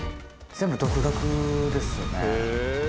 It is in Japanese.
全部独学ですね。